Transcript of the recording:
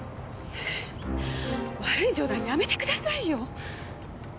悪い冗談やめてくださいよ！